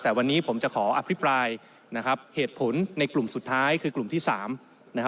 แต่วันนี้ผมจะขออภิปรายนะครับเหตุผลในกลุ่มสุดท้ายคือกลุ่มที่๓นะฮะ